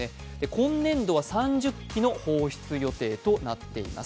今年度は３０基の放出予定となっています。